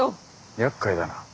やっかいだな。